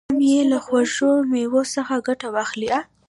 هم یې له خوږو مېوو څخه ګټه واخلي.